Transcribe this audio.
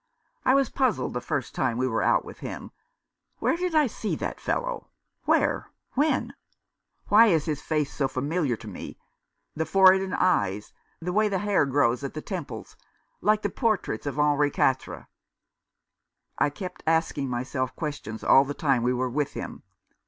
I was puzzled the first time we were out with him. Where did I see that fellow — where — when ? Why is his face so familiar to me — the forehead and eyes, the way the hair grows at the temples, like the portraits of Henri Ouatre ? I kept asking myself questions all the time we were with him.